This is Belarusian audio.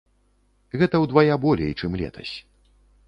Гэта ўдвая болей, чым летась.